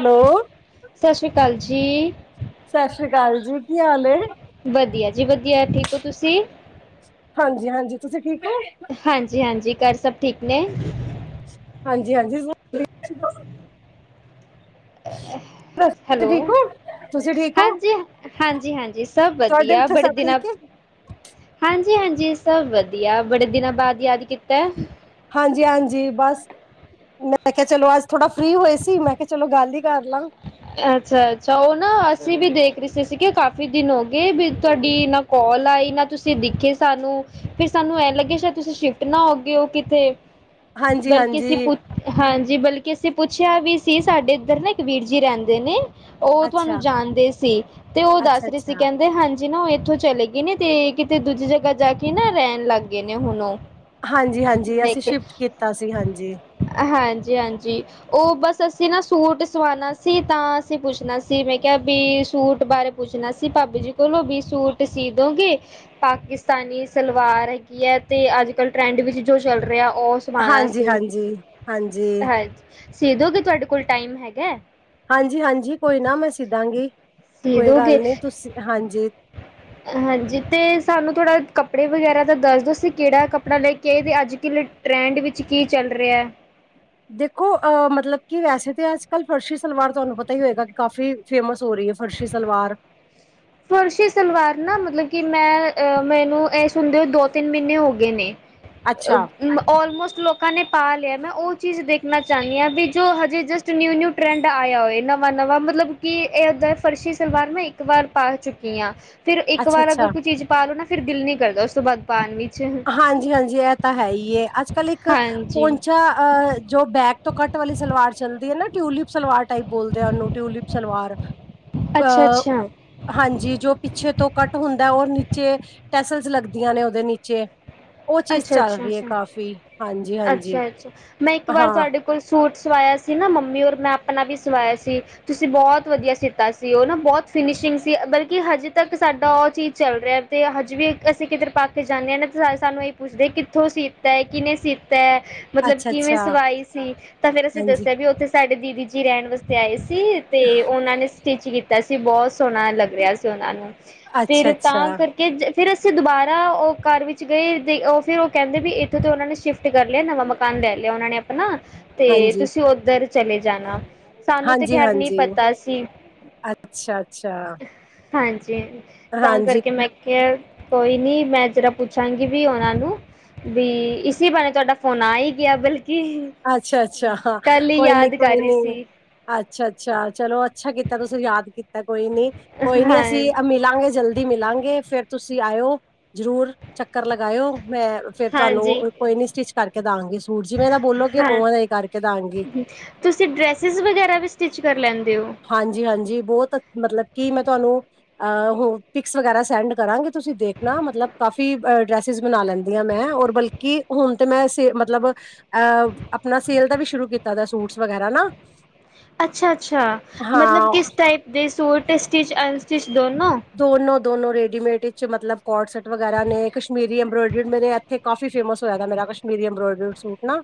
Hello. ਸਸ ਸ਼੍ਰੀਕਾਲ ਜੀ। ਸਸ ਸ਼੍ਰੀਕਾਲ ਜੀ, ਕੀ ਹਾਲ ਏ? ਵਧੀਆ ਜੀ ਵਧੀਆ, ਠੀਕ ਓ ਤੁਸੀਂ? ਹਾਂਜੀ-ਹਾਂਜੀ, ਤੁਸੀਂ ਠੀਕ ਓ? ਹਾਂਜੀ-ਹਾਂਜੀ, ਘਰ ਸਭ ਠੀਕ ਨੇ? ਹਾਂਜੀ-ਹਾਂਜੀ। [unintelligible] [inaudible] ਹੈਲੋ, ਠੀਕ ਹੋ ਤੁਸੀਂ ਠੀਕ ਹੋ ਹਾਂਜੀ, ਹਾਂਜੀ-ਹਾਂਜੀ, ਸਭ ਤੁਹਾਡੇ ਵਧੀਆ ਉੱਥੇ ਬੜੇ ਸਭ ਦਿਨਾਂ ਠੀਕ ਹੈ ਹਾਂਜੀ-ਹਾਂਜੀ, ਸਭ ਵਧੀਆ ਬੜੇ ਦਿਨਾਂ ਬਾਦ ਯਾਦ ਕੀਤਾ ਐ। ਹਾਂਜੀ-ਹਾਂਜੀ, ਬਸ ਮੈਂ ਕਿਹਾ ਚਲੋ ਅੱਜ ਥੋੜਾ ਫਰੀ ਹੋਏ ਸੀ, ਮੈਂ ਕਿਹਾ ਚਲੋ ਗੱਲ ਈ ਕਰ ਲਾ। ਅੱਛਾ-ਅੱਛਾ, ਓ ਨਾ ਅਸੀਂ ਵੀ ਦੇਖ ਰਹੇ ਸੀ ਕਿ ਕਾਫੀ ਦਿਨ ਹੋ ਗਏ ਵੀ ਤੁਹਾਡੀ ਨਾ ਕੋਲ ਆਈ ਨਾ ਤੁਸੀਂ ਦੇਖੇ ਸਾਨੂੰ, ਫਿਰ ਸਾਨੂੰ ਐਂ ਲੱਗੇ ਸ਼ਾਇਦ ਤੁਸੀਂ ਸ਼ਿਫਟ ਨਾ ਹੋ ਗਏ ਹੋ ਕਿਤੇ। ਹਾਂਜੀ ਬਲਕਿ ਅਸੀਂ ਹਾਂਜੀ ਪੁੱਛ, ਹਾਂਜੀ ਬਲਕਿ ਅਸੀਂ ਪੁੱਛਿਆ ਵੀ ਸੀ, ਸਾਡੇ ਇਧਰ ਨਾ ਇੱਕ ਵੀਰ ਜੀ ਰਹਿੰਦੇ ਦੇ ਨੇ ਓ ਤੁਹਾਨੂੰ ਅੱਛਾ ਜਾਣਦੇ ਸੀ ਤੇ ਓ ਅੱਛਾ ਦੱਸ ਰਹੇ ਸੀ ਅੱਛਾ ਕਹਿੰਦੇ ਹਾਂ ਜੀ ਨਾ ਇਥੋਂ ਚਲੇ ਗਏ ਨੇ ਤੇ ਕਿਤੇ ਦੂਜੀ ਜਗ੍ਹਾ ਜਾ ਕੇ ਨਾ ਰਹਿਣ ਲੱਗ ਗਏ ਨੇ ਹੁਨ ਓ। ਹਾਂਜੀ-ਹਾਂਜੀ, ਅਸੀਂ ਸ਼ਿਫਟ ਕੀਤਾ ਸੀ ਹਾਂਜੀ। ਹਾਂਜੀ-ਹਾਂਜੀ, ਓ ਬਸ ਅਸੀਂ ਨਾ ਸੂਟ ਸਵਾਨਾ ਸੀ ਤਾਂ ਅਸੀਂ ਪੁੱਛਣਾ ਸੀ, ਮੈਂ ਕਿਹਾ ਵੀ ਸੂਟ ਬਾਰੇ ਪੁੱਛਣਾ ਸੀ, ਭਾਬੀ ਜੀ ਕੋਲੋਂ ਵੀ ਸੂਟ ਸੀ ਦੋ ਗੇ ਪਾਕਿਸਤਾਨੀ ਸਲਵਾਰ ਹੈਗੀ ਹੈ ਤੇ ਅੱਜ-ਕੱਲ੍ਹ ਟਰੈਂਡ ਵਿੱਚ ਜੋ ਚੱਲ ਰਿਹਾ ਓ ਸਵਾਨਾ ਹਾਂਜੀ ਸੀ, ਹਾਂਜੀ ਹਾਂਜੀ ਹਾਂਜ ਸੀ ਦੋ ਗੇ ਤੁਹਾਡੇ ਕੋਲ ਟਾਈਮ ਹੈਗਾ? ਹਾਂਜੀ-ਹਾਂਜੀ ਕੋਈ ਨਾ, ਮੈਂ ਸੀ ਦਾਂਗੀ। ਸੀ ਦੋ ਗੇ? ਹਾਂਜੀ, ਤੇ ਸਾਨੂੰ ਥੋੜ੍ਹਾ ਕੱਪੜੇ ਵਗੈਰਾ ਤਾਂ ਦੱਸ ਦਿਉਂ, ਕੇੜਾ ਕੱਪੜਾ ਲੈ ਕੇ ਤੇ ਅੱਜ, ਕਿੱ ਟਰੈਂਡ ਵਿੱਚ, ਕੀ ਚੱਲ ਰਿਹਾ? ਦੇਖੋ ਆ ਮਤਲਬ ਕਿ ਵੈਸੇ, ਤੇ ਅੱਜ ਕੱਲ ਫਰਸ਼ੀ ਸਲਵਾਰ, ਤਾਨੂੰ ਪਤਾ ਹੀ ਹੋਏਗਾ, ਕਾਫ਼ੀ ਫੇਮਸ, ਹੋ ਰਹੀ ਹੈ ਫਰਸ਼ੀ ਸਲਵਾਰ ਹ [unintelligible] ਫਰਸ਼ੀ ਸਲਵਾਰ ਨਾ, ਮਤਲਬ ਕਿ ਮੈਂ ਮੈਨੂੰ ਇਹ, ਸੁਣਦੇ ਹੋ ਦੋ ਤਿੰਨ ਮਹੀਨੇ ਹੋ ਗਏ ਨੇ ਅੱਛਾ, ਅਹ [inaudible] ਆਲ ਮੋਸਟ ਲੋਕਾਂ ਨੇ ਪਾ ਲਿਆ, ਮੈਂ ਉਹ ਚੀਜ਼ ਦੇਖਣਾ ਚਾਂਦੀ ਹਾਂ ਵੀ, ਜੋ ਹਜੇ ਜਸਟ ਨਿਊ ਨਿਊ ਟਰੈਂਡ ਆਯਾ ਵੈ ਨਵਾਂ ਨਵਾਂ ਮਤਲਬ ਕਿ ਇਹ ਏਹੱਦਾਂ ਫਰਸ਼ੀ ਸਲਵਾਰ ਨਾ ਇੱਕ ਇਕ ਵਾਰ ਪਾ ਚੁੱਕੀ ਆ ਫਿਰ ਇੱਕ ਵਾਰ ਅੱਛਾ-ਅੱਛਾ। ਅਗਰ ਕੋਈ ਚੀਜ਼ ਪਾ ਲੋ ਨਾ ਫਿਰ ਦਿਲ ਨੀ ਕਰਦਾ ਉਸ ਤੋਂ ਬਾਅਦ ਪਾਨ ਵਿੱਚ। ਹਾਂਜੀ ਹਾਂਜੀ ਇਹ ਤਾਂ ਹੈ ਇ ਐ ਅੱਜ ਕੱਲ ਇੱਕ ਹਾਂਜੀ ਪੋਂਚਾ ਅ ਜੋ ਬੈਕ ਤੋਂ ਕੱਟ ਵਾਲੀ ਸਲਵਾਰ ਚੱਲਦੀ ਏ ਨਾ ਟਿਊਲੀਪ। ਸਲਵਾਰ ਟਾਈਪ ਬੋਲਦੇ ਆ ਓਨੂੰ ਟਿਊਲਿਪ ਸਲਵਾਰ ਅੱਛਾ ਅਹ ਅੱਛਾ ਹਾਂਜੀ ਜੋ ਪਿੱਛੇ ਤੋਂ ਕੱਟ ਹੁੰਦਾ ਏ ਨੀਚੇ ਟੈਸਲਸ ਲੱਗਦੇ। ਆਂ ਨੇ ਓਹਦੇ ਨੀਚੇ। ਉਹ, ਚੀਜ਼ ਅੱਛਾ ਚੱਲ ਅੱਛਾ ਰਹੀ ਹੈ ਅੱਛਾ ਕਾਫ਼ੀ, ਹਾਂਜੀ ਹਾਂਜੀ ਹਾਂ ਕੋਈ, ਸੂਟ ਸਵਾਇਆ ਸੀ ਨਾ ਮੰਮੀ ਔਰ ਮੈਂ ਆਪਣਾ ਵੀ, ਸਵਾਇਆ ਸੀ। ਤੁਸੀਂ, ਬਹੁਤ ਵਧੀਆ ਸੀਤਾ ਸੀ। ਉਹ ਨਾ ਬਹੁਤ ਫਿਨਿਸ਼ਿੰਗ ਸੀ ਬਲਕਿ, ਹਜੇ ਤੱਕ ਸਾਡਾ ਉਹ ਚੀਜ਼ ਚੱਲ ਰਿਹਾ ਅਤੇ ਹਜੇ ਵੀ, ਅਸੀਂ ਕਿਧਰੇ ਪਾ ਕੇ ਜਾਂਦੇ ਹਾਂ, ਨਾ ਤਾਂ ਸਾਨੂੰ, ਇਹ ਪੁਛਦੇ ਕਿੱਥੋਂ ਸੀਤਾ, ਕਿਨੇ ਸੀਤਾ? ਮਤਲਬ ਕਿਵੇਂ, ਅੱਛਾ-ਅੱਛਾ ਸਵਾਈ ਸੀ ਤਾਂ ਫੇਰ ਅਸੀਂ ਹਾਂਜੀ ਦੱਸਿਆ, ਵੀ ਉੱਥੇ ਸਾਡੇ ਦੀਦੀ, ਜੀ ਰੈਣ ਵਾਸਤੇ ਆਏ ਸੀ। ਤੇ ਉਹਨਾਂ ਨੇ, ਸਟਿਚ ਕੀਤਾ ਸੀ ਬਹੁਤ ਸੋਣਾ ਲੱਗ ਰਿਹਾ ਸੀ, ਉਹਨਾਂ ਨੂੰ ਫਿਰ ਤਾਂ ਅੱਛਾ-ਅੱਛਾ ਕਰ ਕਿ, ਫਿਰ ਅਸੀਂ ਦੁਬਾਰਾ ਉਹ ਘਰ ਵਿੱਚ ਗਏ ਤੇ ਉਹ ਫੇਿਰ ਉਹ ਕਹਿੰਦੇ, ਵੀ ਇੱਥੋਂ ਤੇ ਉਨਾਂ ਨੇ ਸ਼ਿਫਟ ਕਰ ਲਿਆ, ਨਵਾਂ ਮਕਾਨ ਲੈ ਲਿਆ ਆਪਣਾ ਤੇ ਹਾਂਜੀ, ਤੁਸੀਂ, ਓਦਰ ਚਲੇ ਜਾਣਾ ਸਾਨੂੰ ਤੇ ਖੈਰ, ਨਹੀਂ ਹਾਂਜੀ-ਹਾਂਜੀ। ਪਤਾ ਸੀ। ਅੱਛਾ-ਅੱਛਾ, ਹਾਂਜੀ, ਤਾਂ ਹਾਂਜੀ, ਕਰਕੇ ਮੈਂ ਕਿਹਾ ਕੋਈ ਨੀ, ਮੈਂ ਜਰਾ ਪੁੱਛਾਂਗੀ ਵੀ ਉਨਾਂ ਨੂੰ, ਵੀ ਇਸੀ ਬਾਰੇ ਤੁਹਾਡਾ ਫੋਨ ਆ ਹੀ ਗਿਆ, ਬਲਕਿ ਅੱਛਾ ਅੱਛਾ ਹਾਂ ਕੱਲ ਹੀ ਕੋਈ ਨੀ ਯਾਦ ਕਰ ਕੋਈ ਰਹੀ ਨੀ ਸੀ ਅੱਛਾ- ਅੱਛਾ ਚਲੋ ਅੱਛਾ ਕੀਤਾ ਤੁਸੀਂ ਯਾਦ ਕੀਤਾ ਕੋਈ ਨੀ, ਕੋਈ ਨੀ ਹਾਂ ਅਸੀਂ ਅਮੀ ਮਿਲਾਂਗੇ ਜਲਦੀ ਮਿਲਾਂਗੇ ਫੇਰ ਤੁਸੀਂ ਆਇਓ ਜਰੂਰ ਚੱਕਰ ਲਗਾਇਓ ਮੈਂ ਫੇਰ ਤੁਹਾਨੂੰ ਹਾਂਜੀ ਕੋਈ ਨੀ ਸਟਿਚ ਕਰਕੇ ਦਾਂਗੀ ਸੂਟ ਜਿਵੇੈਂ ਦਾ ਬੌ ਹਾਂ ਤੁਸੀਂ ਡਰੈਸਿਸ ਵਗੈਰਾ ਵੀ ਸਟਿਚ ਕਰ ਲੈਂਦੇ ਓ? ਹਾਂਜੀ ਹਾਂਜੀ ਬੋਤ ਮਤਲਬ ਕਿ ਮੈਂ ਤੁਹਾਨੂੰ ਅ ਹੋ ਪਿਕਸ ਵਗੈਰਾ ਸੈਂਡ ਕਰਾਂਗੀ ਤੁਸੀਂ ਦੇਖਨਾ ਮਤਲਬ ਕਾਫੀ ਡਰੈਸ ਚੀਜ਼ ਬਨਾ ਲੈਂਦੀ ਆ ਮੈਂ ਔਰ ਬਲਕਿ ਹੁਨ ਤੇ ਮੈਂ ਮਤਲਬ ਅਹ ਆਪਨਾ ਸੇਲ ਦਾ ਵੀ ਸ਼ੁਰੂ ਕੀਤਾ ਦਾ ਸੂਟਸ ਵਗੈਰਾ ਨਾ। ਅੱਛਾ ਅੱਛਾ ਮਤਲਬ ਹਾਂ ਕਿਸ ਟਾਈਪ ਦੇ ਸੂਟ ਸਟਿਚ ਅਨਸਟਿਚ ਦੋਨੋਂ? ਦੋਨੋ ਦੋਨੋ ਰੇਡੀਮੇਡ ਵਿੱਚ ਮਤਲਬ ਕੋਟ ਸੈੱਟ ਵਗੈਰਾ ਨੇ ਕਸ਼ਮੀਰੀ ਅੰਬਰੋਇਡਰੀ ਮੇਰੇ ਐਥੇ ਕਾਫ਼ੀ ਫੇਮਸ ਹੋਇਆ ਦਾ ਮੇਰਾ ਕਸ਼ਮੀਰੀ ਐਂਬਰੋਇਡਡ ਸੂਟ ਨਾ।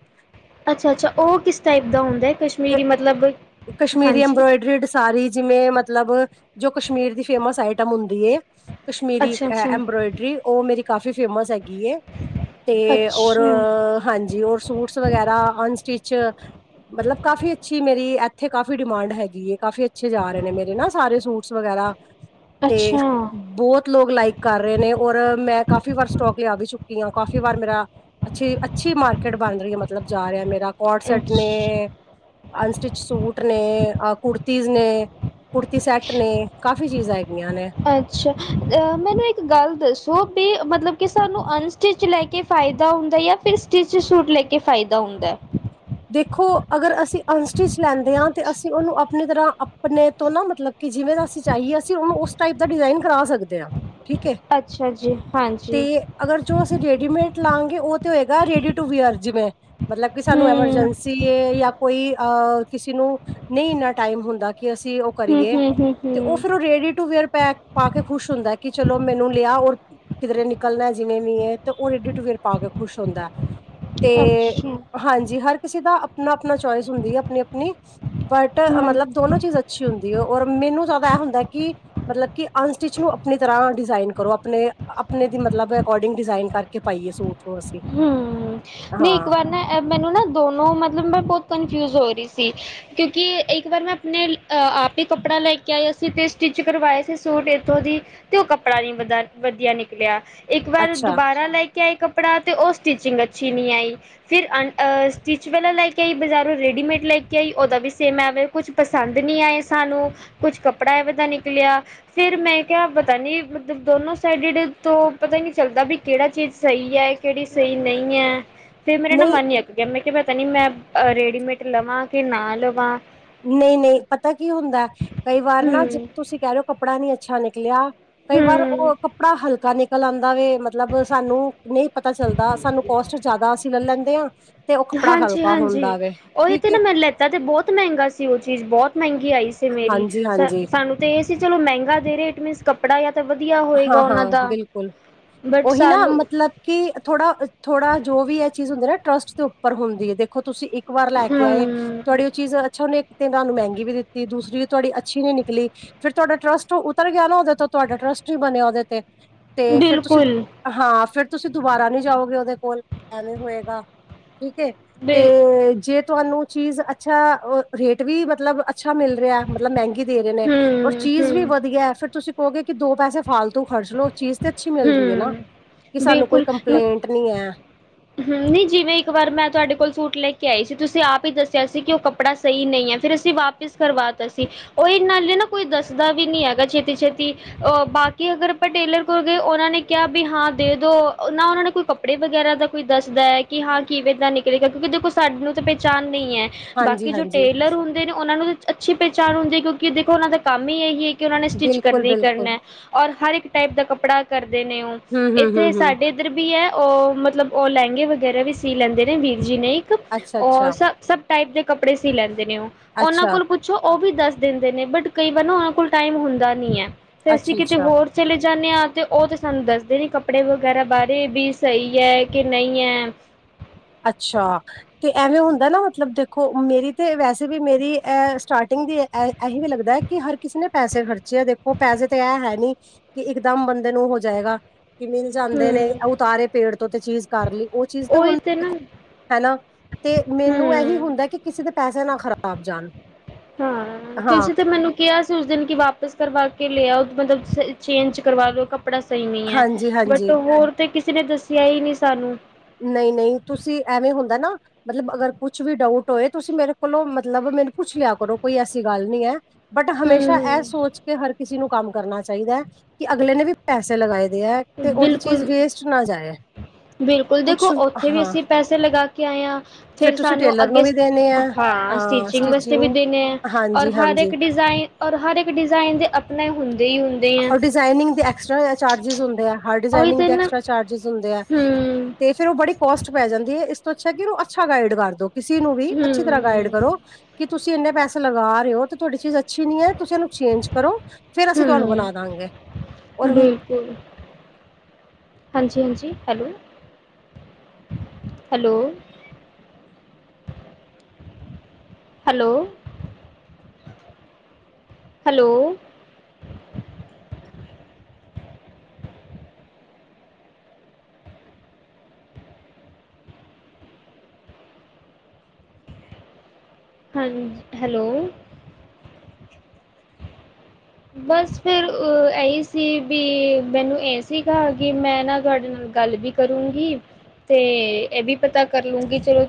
ਅੱਛਾ ਅੱਛਾ ਓਹ ਕਿਸ ਟਾਈਪ ਦਾ ਹੁੰਦਾ ਏ ਤੇ ਕਸ਼ਮੀਰੀ ਮਤਲਬ ਕਸ਼ਮੀਰੀ ਹਾਂਜੀ। ਐੰਬਰੋਇਡਰੀਡ ਸਾਰੀ ਜਿਵੇਂ ਮਤਲਬ ਜੋ ਕਸ਼ਮੀਰ ਦੀ ਫੇਮਸ ਆਈਟਮ ਹੁੰਦੀ ਏ। ਕਸ਼ਮੀਰੀ ਅੱਛਾ-ਅੱਛਾ। ਐਬਰੋਇਡਰੀ ਓਹ ਮੇਰੀ ਕਾਫ਼ੀ ਫੇਮਸ ਹੈਗੀ ਏ। ਤੇ ਔਰ ਅੱਛਾ, ਹਾਂਜੀ ਔਰ ਸੂਟਸ ਵਗੈਰਾ ਅਨਸਟਿਚ। ਮਤਲਬ ਕਾਫੀ ਅੱਛੀ ਮੇਰੀ ਐਥੇ ਕਾਫੀ ਡਿਮਾਂਡ ਹੈਗੀ ਏ ਕਾਫੀ ਅੱਛੇ ਜਾ ਰਹੇ ਨੇ ਮੇਰੇ ਨਾ ਸਾਰੇ ਸੂਟ। ਵਗੈਰਾ ਤੇ ਅੱਛਾ, ਬਹੁਤ ਲੋਕ ਲਾਈਕ ਕਰ ਰਹੇ ਨੇ ਔਰ ਮੈਂ ਕਾਫੀ ਵਾਰ ਸਟੋਕ ਲਿਆ ਵੀ ਚੁੱਕੀ ਆ ਕਾਫੀ ਵਾਰ ਮੇਰਾ ਅੱਛੀ ਅੱਛੀ ਮਾਰਕੀਟ ਬਨ ਰਹੀ ਏ ਮਤਲਬ ਜਾ ਰਿਹਾ ਮੇਰਾ। ਕੋਟ ਸੈਟ ਅੱਛਾ। ਨੇ ਅਨਸਟਿਚ ਸੂਟ ਨੇ ਅ ਕੁੜਤੀਜ ਨੇ। ਕੁਰਤੀ ਸੈੱਟ ਨੇ, ਕਾਫ਼ੀ ਚੀਜ਼ਾ ਹੈਗੀਆਂ ਨੇ। ਅੱਛਾ, ਮੈਨੂੰ ਇੱਕ ਗੱਲ ਦੱਸੋ ਬੀ ਮਤਲਬ ਕਿ ਸਾਨੂੰ ਅਨ ਸਟਿੱਚ ਲੈ ਕੇ ਫਾਇਦਾ ਹੁੰਦਾ ਯਾ ਫਿਰ ਸਟਿਚ ਸੂਟ ਲੈਕੇ ਫਾਇਦਾ ਹੁੰਦਾ ਐ? ਦੇਖੋ ਅਗਰ ਅਸੀਂ ਅਨ ਸਟਿਚ ਲੈਂਦੇ ਆ ਤੇ ਅਸੀਂ ਓਹਨੂ ਅਪ ਨੀ ਤਰਾ, ਅਪਨੇ ਤੋਂ ਨਾ ਮਤਲਬ ਕਿ ਜਿਵੇਂ ਅਸੀਂ ਚਾਈਏ, ਅਸੀ ਓਂਵੇ ਉਸ ਟਾਈਪ ਦਾ ਡਿਜ਼ਾਇਨ ਕਰਾ ਸਕਦੇ ਆ। ਠੀਕ ਏ, ਅੱਛਾ ਜੀ ਹਾਂਜੀ ਤੇ ਅਗਰ ਜੋ ਅਸੀਂ ਰੇਡੀਮੇਡ ਲਾਂ ਗੇ, ਓ ਹੋਏਗਾ ਰੇਡੀ ਟੂ ਵੀਅਰ ਜਿਵੇਂ, ਮਤਲਬ ਕਿ ਸਾਨੂੰ ਐਮਰ ਹੂੰ। ਐਮਰਜੈਂਸੀ ਹੈ ਯਾ ਕੋਈ ਆ ਕਿਸੇ ਨੂੰ ਨਹੀਂ ਇਨ੍ਹਾਂ ਟਾਈਮ ਹੁੰਦਾ ਕਿ ਅਸੀਂ ਕਰੀਏ ਹੂੰ-ਹੂੰ, ਤੇ ਉਹ ਹੂੰ-ਹੂੰ ਫਿਰ ਉਹ ਰੇਡੀ-ਟੂ-ਵੀਅਰ ਪੈਕ ਪਾ ਕੇ ਖੁਸ਼ ਹੁੰਦਾ ਕਿ ਚਲੋ ਮੈਨੂੰ ਲਿਆ ਔਰ ਕਿਧਰੇ ਨਿਕਲਣਾ ਜਿਵੇਂ ਵੀ ਹੈ, ਤੇ ਉਰੀ ਟਿਟ ਪਾ ਕੇ ਖੁਸ਼ ਹੁੰਦਾ ਹੈ। ਤੇ ਅੱਛਾ ਹਾਂਜੀ ਹਰ ਕਿਸੇ ਦਾ ਆਪਣਾ ਆਪਣਾ ਚੁਇਸ ਹੁੰਦੀ ਹੈ, ਆਪਣੀ ਆਪਣੀ। ਬਟ ਹੂੰ। ਮਤਲਬ ਦੋਨੋ ਚੀਜ਼ ਅੱਛੀ ਹੁੰਦੀ ਹੈ ਔਰ ਮੈਨੂੰ ਜ਼ਿਆਦਾ ਇਹ ਹੁੰਦਾ ਕਿ? ਮਤਲਬ ਕਿ ਅਨਸਟਿਚ ਨੂੰ ਅਪਨੀ ਤਰ੍ਹਾਂ ਡਿਜ਼ਾਇਨ ਕਰੋ ਅਪਨੇ, ਅਪਨੇ ਦੀ ਮਤਲਬ ਅਕੋਰਡਿੰਗ ਡਿਜ਼ਾਇਨ ਕਰਕੇ ਪਾਈਏ ਸੂਟ। ਨੂੰ ਅਸੀਂ ਹੂੰ, ਨਈ ਇੱਕ ਹਾਂ ਵਾਰ ਨਾ ਐ ਮੈਨੂੰ ਨਾ ਦੋਨੋ ਮਤਲਬ ਮੈਂ ਬੋਤ ਕਨਫਿਊਜ ਹੋ ਰੀ ਸੀ। ਕਿਉਂਕਿ ਇੱਕ ਵਾਰ ਮੈ ਆਪਣੇ ਅ ਆਪ ਈ ਕੱਪੜਾ ਲੈਕੇ ਆਈਆ ਸੀ ਤੇ ਸਟਿੱਚ ਕਰਵਾਏ ਸੀ ਸੂਟ ਏਥੋਂ ਦੀ। ਤੇ ਓ ਕੱਪੜਾ ਨੀ ਵਧਾ ਵਧੀਆ ਨਿਕਲਿਆ ਇੱਕ ਵਾਰ ਅੱਛਾ ਦੁਬਾਰਾ ਲੈ ਕੇ ਆਏ ਕੱਪੜਾ ਓਹ ਸਟਿਚਿੰਗ ਅੱਛੀ ਨ‌ਈਂ ਆਈ, ਤੇ ਫਿਰ ਅ ਸਟਿਚ ਵਾਲਾ ਲੈ ਕੇ ਆਈ ਬਜ਼ਾਰੋਂ, ਰੈਡੀਮੇਡ ਲੈ ਕੇ ਆਈ ਓਹਦਾ ਵੀ ਸੇਮ ਐ ਵੇ। ਕੁਛ ਪਸੰਦ ਨੀ ਆਏ ਸਾਨੂੰ, ਕੁਛ ਕੱਪੜਾ ਐਵੇਂ ਦਾ ਨਿਕਲਿਆ। ਫਿਰ ਮੈਂ ਕਿਆ ਪਤਾ ਨੀ, ਮਤਬ ਦੋਨੋਂ ਸਾਈਡਿਡ ਤੋਂ ਪਤਾ ਨ‌ਈਂ ਚੱਲਦਾ ਵੀ ਕਿਹੜਾ ਚੀਜ਼ ਸਹੀ ਐ। ਕਿਹੜੀ ਸਹੀ ਨ‌ਈਂ ਏ ਤੇ ਮੇਰੇ ਨਾ ਨਹੀਂ ਮਨ ਈ ਯਾਂ ਮੈ ਕ‌ੇਆ ਪਤਾ ਨੀ ਮੈਂ, ਰੇਡੀਮੇਟ ਲਵਾਂ ਕਿ ਨਾ ਲਵਾਂ। ਨ‌ਈਂ-ਨ‌ਈਂ, ਪਤਾ ਕੀ ਹੁੰਦਾ ਕਈ ਵਾਰ ਨਾ, ਜ ਹਮ ਤੁਸੀਂ ਕਹਿ ਰ‌ੇ ਓ ਕੱਪੜਾ ਨੀ ਅੱਛਾ ਨਿਕਲਿਆ। ਕਈ ਵਾਰ ਹਮ ਹੋਰ ਕਪ ਪੜਾ ਹਲਕਾ ਨਿਕਲ ਆਂਦਾ ਵੇ ਮਤਲਬ ਸਾਨੂੰ ਨ‌ਈਂ ਪਤਾ ਚੱਲਦਾ, ਸਾਨੂੰ ਕੋਸਟ ਜਿਆਦਾ ਅਸੀਂ ਲੈ ਲੈਂਦੇ ਆ। ਹਾਂਜੀ-ਹਾਂਜੀ, ਓਹੀ ਤੇ ਹੈ ਨਾ ਮੈਂ ਲੈਤਾ ਤੇ ਬਹੁਤ ਮਹਿੰਗਾ ਸੀ ਓਹ ਚੀਜ਼, ਬਹੁਤ ਮਹਿੰਗੀ ਆਈ ਸੀ। ਤੇ ਮੇਰੀ, ਹਾਂਜੀ-ਹਾਂਜੀ, ਸਾਨੂੰ ਤੇ ਇਹ ਸੀ ਚਲੋ ਮਹਿੰਗਾ ਦੇ ਰੇ, ਇਟ ਮੀਨਸ ਕਪ ਕਪੜਾ ਯਾ ਤੇ ਵਧੀਆ ਹੋਏਗਾ ਓਹਨਾਂ ਹਾਂ-ਹਾਂ ਦਾ। ਬਿਲਕੁਲ। ਬਟ ਉਹੀ ਨਾ ਸਾਨੂੰ ਮਤਲਬ ਕਿ ਥੋੜਾ-ਥੋੜਾ ਜੋ ਵੀ ਇਹ ਚੀਜ਼ ਹੁੰਦੀ ਏ ਨਾ, ਟਰੱਸਟ ਦੇ ਉੱਪਰ ਹੁੰਦੀ ਐ ਦੇਖੋ ਤੁਸੀਂ ਇੱਕ ਇੱਕ ਵਾਰ ਲੈ ਕੇ ਆਏ, ਹਮ ਤਵਾਡੀ ਓਹ ਚੀਜ਼ ਅੱਛਾ, ਓਹਨੇ ਇੱਕ ਤੇ ਤੁਹਾਨੂੰ ਮਹਿੰਗੀ ਵੀ ਦਿੱਤੀ ਦੂਸਰੀ ਵੀ ਤੁਹਾਡੀ ਅੱਛੀ ਨੀ ਨਿਕਲੀ। ਫਿਰ ਤੁਹਾਡਾ ਟਰੱਸਟ ਉਤਰ ਗਿਆ ਨਾ ਓਹਦੇ ਤੋਂ ਤੁਹਾਡਾ ਟਰੱਸਟ ਨੀ ਬਨੇਆ ਓਹਦੇ ਤੇ। ਤੇ ਫੇਰ ਤੁਸੀਂ ਬਿਲਕੁਲ ਹਾਂ ਫਿਰ ਤੁਸੀਂ ਦੁਬਾਰਾ ਨਹੀਂ ਜਾਓਗੇ ਉਹਦੇ ਕੋਲ, ਐਵੇਂ ਹੋਏਗਾ ਠੀਕ ਹੈ ਬਿਲ ਤੇ ਜੇ ਤੁਹਾਨੂੰ ਚੀਜ਼ ਅੱਛਾ ਰੇਟ ਵੀ ਮਤਲਬ ਅੱਛਾ ਮਿਲ ਰਿਹਾ। ਮਤਲਬ ਮਹਿੰਗੀ ਦੇ ਰਹੇ ਨੇ ਔਰ ਹਮ ਚੀਜ਼ ਵੀ ਹਮ ਵਧੀਆ ਫੇਰ ਤੁਸੀਂ ਕਹੋਗੇ ਕਿ ਦੋ ਪੈਸੇ ਫਾਲਤੂ ਖਰਚ ਲੋਓ ਚੀਜ਼- ਤੇ ਅੱਛੀ ਮਿਲ ਰਹੀ ਹੈ ਨਾ ਹੂੰ ਕਿ ਸਾਨੂੰ ਕੋਈ ਬਿਲਕੁਲ ਕੰਪਲੇਂਟ ਨਹੀ ਹੈ। ਹੂੰ ਨਈ ਜਿਵੇਂ ਇੱਕ ਵਾਰ ਮੈਂ ਤੁਆਡੇ ਕੋਲ ਸੂਟ ਲੈ ਕੇ ਆਈ ਸੀ ਤੁਸੀਂ ਆਪ ਈ ਦੱਸਿਆ ਸੀ ਕਿ ਓ ਕੱਪੜਾ ਸਈ ਨਈ ਐ ਫਿਰ ਅਸੀਂ ਵਾਪ ਪਿਸ ਕਰਵਾ ਤਾਸੀ ਓਹੀ ਨਾਲੇ ਨਾ ਕੋਈ ਦੱਸਦਾ ਵੀ ਨੀ ਐਗਾ ਛੇਤੀ-ਛੇਤੀ। ਅ ਬਾਕੀ ਅਗਰ ਆਪਾ ਟੇਲਰ ਕੋਲ ਗਏ ਉਨਾਂ ਨੇ ਕੇਆ ਵੀ ਹਾਂ ਦੇ ਦੋ ਨਾ ਉਨਾਂ ਨੇ ਕੋਈ ਕੱਪੜੇ ਵਗੈਰਾ ਦਾ ਕੋਈ ਦੱਸਦਾ ਐ ਕਿ ਹਾਂ ਕਿਵੇ ਦਾਂ ਨਿਕਲੇਗਾ ਕਿਉਂਕਿ ਦੇਖੋ ਸਾਨੂ ਤੇ ਪੈਚਾਨ ਨਈ ਐ। ਹਾਂਜੀ ਬਾਕੀ ਜੋ ਹਾਂਜੀ ਟੇਲਰ ਹੁੰ ਫੇਰ ਓਨਾ ਨੂੰ ਅੱਛੀ ਪੈ਼ਚਾਣ ਹੁੰਦੀ ਐ ਕਿਉਂਕਿ ਦੇਖੋ ਉਨਾਂ ਦਾ ਕੰਮ ਈ ਇਹੀ ਹੈ ਕਿ ਉਨਾਂ ਨੇ ਸਟਿੱਚ ਬਿਲਕੁਲ ਕਰਨਾ ਈ ਬਿਲਕੁਲ ਕਰਨਾ। ਓਰ ਹਰ ਇੱਕ ਟਾਈਪ ਦਾ ਕੱਪੜਾ ਕਰਦੇ ਨੇ ਓ ਹਮ ਹਮ ਇੱਥੇ ਹਮ ਹਮ ਸਾਡੇ ਇੱਦਰ ਵੀ ਐ ਓ ਮਤਲਬ ਓ ਲੈਂਗੇ ਵਗੈਰਾ ਵੀ ਸੀ ਲੈਂਦੇ ਨੇ ਵੀਰ ਜੀ ਨੇ ਇੱਕ ਅੱਛਾ ਓ ਅੱਛਾ ਸਬ-ਸਬ ਟਾਈਪ ਦੇ ਕੱਪੜੇ ਸੀ ਲੈਂਦੇ ਨੇ ਓ ਓਨਾਂ ਅੱਛਾ ਕੋਲ ਪੁਛ ਓ ਵੀ ਦੱਸ ਦਿੰਦੇ ਨੇ ਬਟ ਕਈ ਵਾਰ ਨਾ ਉਨਾਂ ਕੋਲ ਟਾਈਮ ਹੁੰਦਾ ਨੀ ਐ ਫੇਰ ਅਸੀਂ ਅੱਛਾ ਕਿਤੇ ਅੱਛਾ ਹੋਰ ਚਲੇ ਜਾਨੇ ਆ ਤੇ ਓ ਤਾਂ ਸਾਨੂੰ ਦੱਸਦੇ ਨੀ ਕੱਪੜੇ ਵਗੈਰਾ ਬਾਰੇ ਵੀ ਸਈ ਐ ਕੇ ਨਈ ਐ। ਅੱਛਾ। ਤੇ ਐਵੇਂ ਹੁੰਦਾ ਨਾ ਮਤਲਬ ਦੇਖੋ ਮੇਰੀ ਤੇ ਵੈਸੇ ਵੀ ਮੇਰੀ ਸਟਾਰਟਿੰਗ ਦੀ- ਇਹ ਵੀ ਲੱਗਦਾ ਹੈ ਕਿ ਹਰ ਕਿਸੇ ਨੇ ਪੈਸੇ ਖਰਚੇ ਹੈ ਦੇਖੋ ਪੈਸੇ ਤੇ ਇਹ ਹੈ ਨਹੀਂ? ਕਿ ਇਕਦਮ ਬੰਦੇ ਨੂੰ ਹੋ ਜਾਏਗਾ। ਕੀ ਮਿਲ ਜਾਂਦੇ ਹਮ ਨੇ ਉਤਾਰੇ ਪੇੜ ਤੋ ਤੇ ਚੀਜ਼ ਕਰ ਲਈ ਓ ਚੀਜ਼ ਤੇ ਹੁਣ ਏਨਾ ਨੂੰ ਹੈਨਾ, ਤੇ ਮੈਨੂੰ ਐਹੀ ਹੁੰਦੈ ਕਿ ਕਿਸੇ ਦੇ ਪੈਸੇ ਨਾ ਖ਼ਰਾਬ ਜਾਣ। ਹਾਂ, ਤੁਸੀ ਤੇ ਮੇਨੂੰ ਕਿਆ ਸੀ, ਉਸ ਦਿਨ ਕਿ ਵਾਪਸ ਕਰਵਾ ਕੇ ਲਿਂਂਆਓ ਮਤਲਬ ਚ ਚੇਂਜ ਕਰਵਾ ਲੋ, ਕੱ ਕੱਪੜਾ ਸਹੀ ਨ‌ਈਂ ਐ ਹਾਂਜੀ ਹਾਂਜੀ ਬਟ ਹੋਰ ਤੇ ਕਿਸੇ ਨੇ ਦੱਸਿਆ ਈ ਨੀ ਸਾਨੂੰ ਨ‌ਈਂ-ਨ‌ਈਂ ਤੁਸੀਂ ਐਵੇਂ ਹੁੰਦਾ ਨਾ ਮਤਲਬ ਅਗਰ ਕੁਛ ਵੀ ਡਾਊਟ ਹੋਏ ਤੁਸੀ ਮੇਰੇ ਕੋਲੋਂ ਮਤਲਬ ਮੈਨੂੰ ਪੁੱਛ ਲਿਆ ਕਰੋ ਕੋਈ ਐਸੀ ਗੱਲ ਨਈ ਐ। ਬਟ ਹਮੇਸ਼ਾ ਅਹ ਹੂੰ-ਹੂੰ, ਸੋਚ ਕੇ ਹਰ ਕਿਸੇ ਨੂੰ ਕੰਮ ਕਰਨਾ ਚਾਈਦਾ ਐ, ਕਿ ਅਗਲੇ ਨੇ ਵੀ ਪੈਸੇ ਲਗਾਏ ਦੇ ਐ ਤੇ ਉਹਦੀ ਬਿਲਕੁਲ। ਚੀਜ਼ ਵੇਸਟ ਨਾ ਜਾਏ। ਬਿਲਕੁਲ, ਦੇਖੋ ਕੁਛ ਉੱਥੇ ਵੀ ਹਾਂ ਅਸੀਂ ਪੈਸੇ ਲਗਾ ਕੇ ਆਏ ਹਾਂ ਫਿਰ ਤੁਸੀਂ ਸਾਨੂੰ ਟੇਲਰ ਅੱਗੇ ਨੂੰ ਵੀ ਦੇਣੇ ਆ ਹਾਂ, ਸਟਿਚਿੰਗ ਵਾਸਤੇ ਵੀ ਦੇਣੇ ਐ, ਔਰ ਹਾਂਜੀ ਹਰ ਹਾਂਜੀ ਇੱਕ ਡਿਜ਼ਾਇਨ ਔਰ ਹਰ ਇੱਕ ਡਿਜ਼ਾਇਨ ਦੇ ਆਪਣੇ ਹੁੰਦੇਂ-ਹੁੰਦੇਂ ਐ। ਡਿਜ਼ਾਈਨਿੰਗ ਦੇ ਐਕਸਰਾ ਚਾਰਜਿਜ ਹੁੰਦੇ ਆ ਹਰ ਉਹੀ ਡਿਜ਼ਾਇਨਿੰਗ ਤੇ ਦੇ ਨਾ ਐਕਸਟਰਾ ਚਾਰਜਿਜ ਹੁੰਦੇ ਆ ਹੂੰ, ਤੇ ਫੇਰ ਓ ਬੜੀ ਕੋਸਟ ਪੈ ਜਾਂਦੀ ਐ ਇਸ ਤੋਂ ਅੱਛਾ ਕਿ ਉਨੂੰ ਅੱਛਾ ਗਾਈਡ ਕਰ ਦੋ ਕਿਸੀ ਨੂੰ ਵੀ ਅੱਛੀ ਤਰ੍ਹਾਂ ਗਾਈਡ ਹੂੰ, ਕਰੋ ਕਿ ਤੁਸੀਂ ਇੰਨੇ ਪੈਸੇ ਲਗਾ ਰੇ ਓ ਤੇ ਤੁਆਡੀ ਚੀਜ਼ ਅੱਛੀ ਨੀ ਹੈ ਤੁਸੀਂ ਐਨੂੰ ਚੇਂਜ ਕਰੋ ਫੇਰ ਅਸੀ ਹੂੰ ਬਿਲਕੁਲ। ਹਾਂਜੀ-ਹਾਂਜੀ ਹੈਲੋ, ਹੈਲੋ। ਹੈਲੋ। ਹੈਲੋ। ਹਾਂਜੀ ਹੈਲੋ। ਬਸ ਫੇਰ ਅ ਇਹੀ ਸੀ ਵੀ ਮੈਨੂੰ ਇਹ ਸੀਗਾ ਕਿ ਮੈਂ ਨਾ ਤੁਹਾਡੇ ਨਾਲ ਗੱਲ ਵੀ? ਕਰੂੰਗੀ। ਤੇ ਇਹ ਵੀ ਪਤਾ ਕਰ ਲੂੰਗੀ ਚਲੋ।